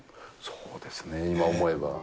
そうですね、今思えば。